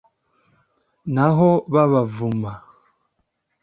naho babavuma